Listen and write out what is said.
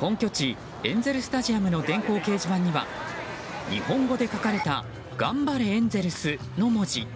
本拠地エンゼル・スタジアムの電光掲示板には日本語で書かれた「がんばれエンゼルス」の文字。